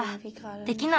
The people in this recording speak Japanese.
できない。